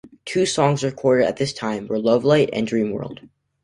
Two songs recorded at this time were "Lovelight" and "Dream World".